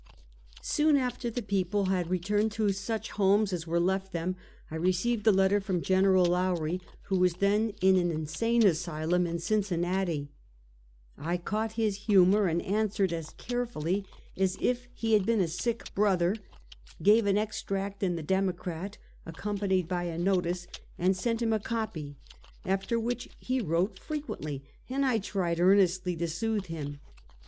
Soon after the people had returned to such homes as were left them, I received a letter from General Lowrie, who was then in an insane asylum in Cincin nati. I caught his humor and answered as carefully as if he had been a sick brother, gave an extract in the Democrat^ accompanied by a notice, and sent him a copy; after which he wrote frequently, and I tried earnestly to soothe him.